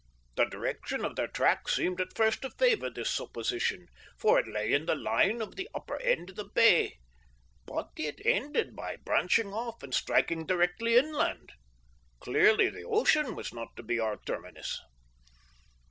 The direction of their track seemed at first to favour this supposition, for it lay in the line of the upper end of the bay, but it ended by branching off and striking directly inland. Clearly the ocean was not to be our terminus.